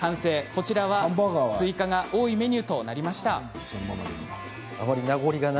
こちらは追加が多いメニューとなりました